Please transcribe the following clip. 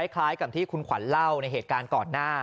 คล้ายกับที่คุณขวัญเล่าในเหตุการณ์ก่อนหน้า